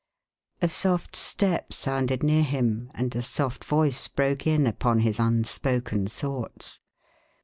A soft step sounded near him and a soft voice broke in upon his unspoken thoughts.